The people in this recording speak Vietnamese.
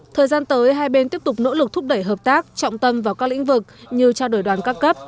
thời gian tới hai bên tiếp tục nỗ lực thúc đẩy hợp tác trọng tâm vào các lĩnh vực như trao đổi đoàn các cấp